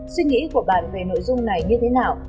suy nghĩ của bạn về nội dung này như thế nào